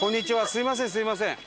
すいませんすいません。